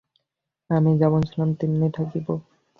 আমি যেমন ছিলাম তেমনি থাকিব।